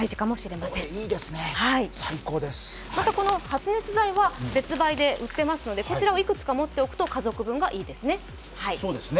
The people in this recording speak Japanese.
また、この発熱剤は別売りで売っていますのでこちらをいくつか持っておくと、家族分がいいですね。